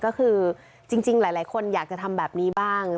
ก็คือจริงหลายคนอยากจะทำแบบนี้บ้าง